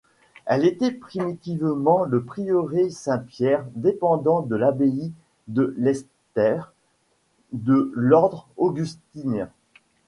Elle était primitivement le prieuré Saint-Pierre dépendant de l'abbaye de Lesterps, de l'ordre augustinien.